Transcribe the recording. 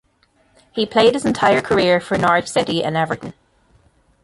He played his entire career for Norwich City and Everton.